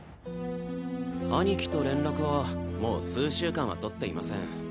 兄貴と連絡はもう数週間は取っていません。